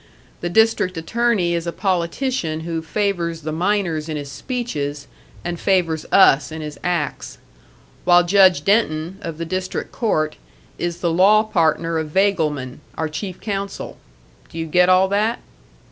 The District Attorney is a politician who favours the miners in his speeches, and favours us in his acts; while Judge Denton, of the district court, is the law partner of Vagleman, our chief counsel. Do you get all that?"